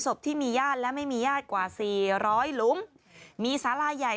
ศพที่มีญาติและไม่มีญาติกว่าสี่ร้อยหลุมมีสาลาใหญ่